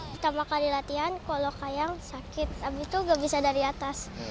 pertama kali latihan kalau kayang sakit abis itu gak bisa dari atas